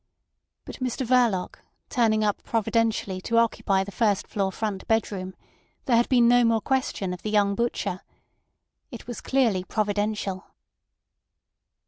But Mr Verloc, turning up providentially to occupy the first floor front bedroom, there had been no more question of the young butcher. It was clearly providential.